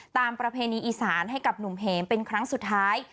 ประเพณีอีสานให้กับหนุ่มเหมเป็นครั้งสุดท้าย